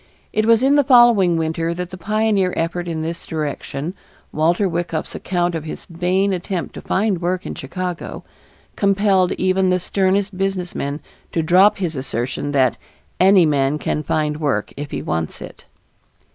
It was in the following winter that the pioneer effort in this direction, Walter Wyckoff's account of his vain attempt to find work in Chicago, compelled even the sternest businessman to drop his assertion that "any man can find work if he wants it."